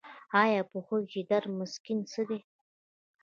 ایا پوهیږئ چې درد مسکن څه دي؟